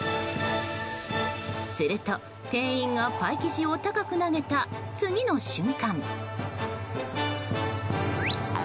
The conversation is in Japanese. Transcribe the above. すると、店員がパイ生地を高く投げた次の瞬間。